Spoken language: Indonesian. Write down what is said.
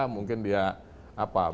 mungkin dia apa